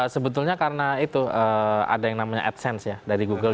sebetulnya karena itu ada yang namanya adsense ya dari google